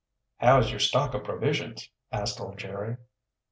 "How is your stock of provisions?" asked old Jerry.